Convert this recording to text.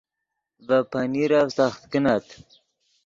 ڤے پنیرف سخت کن